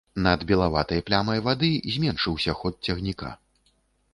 Над белаватай плямай вады зменшыўся ход цягніка.